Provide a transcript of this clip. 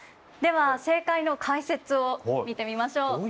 では正解の解説を見てみましょう。